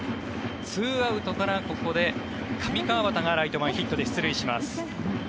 ２アウトからここで上川畑がライト前ヒットで出塁します。